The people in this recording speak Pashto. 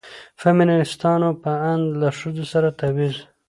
د فيمينستانو په اند له ښځو سره تبعيض